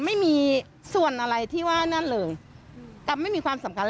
ไม่มีส่วนอะไรที่ว่านั่นเลยแต่ไม่มีความสำคัญ